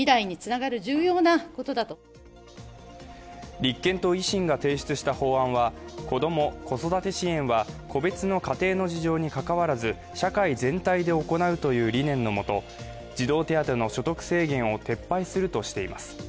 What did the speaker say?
立憲と維新が提出した法案は子ども・子育て支援は個別の家庭の事情に関わらず社会全体で行うという理念のもと、児童手当の所得制限を撤廃するとしています。